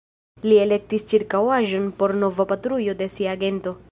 Li elektis ĉirkaŭaĵon por nova patrujo de sia gento.